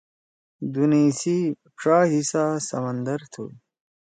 دُنئی سی ڇا حصّہ سمندر تُھو۔